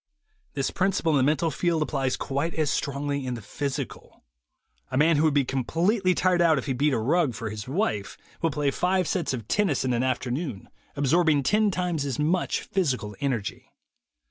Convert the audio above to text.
This principle in the mental field applies quite as strongly in the physical. A man who would be completely tired out if he beat a rug for his wife, will play five sets of tennis of an afternoon, absorb ing ten times as much physical energy.